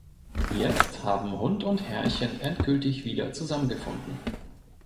Jetzt haben Hund und Herrchen endgültig wieder zusammengefunden.